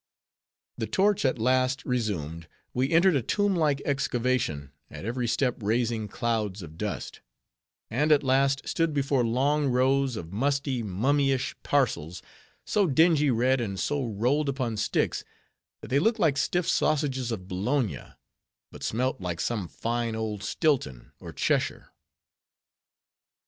The torch at last relumed, we entered a tomb like excavation, at every step raising clouds of dust; and at last stood before long rows of musty, mummyish parcels, so dingy red, and so rolled upon sticks, that they looked like stiff sausages of Bologna; but smelt like some fine old Stilton or Cheshire.